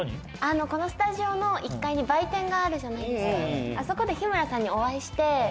このスタジオの１階に売店があるじゃないですかあそこで日村さんにお会いして。